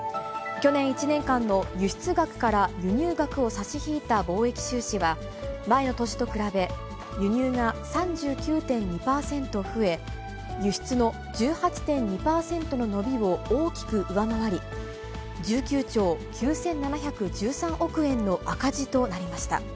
去年１年間の輸出額から輸入額を差し引いた貿易収支は、前の年と比べ、輸入が３９．２％増え、輸出の１８．２％の伸びを大きく上回り、１９兆９７１３億円の赤字となりました。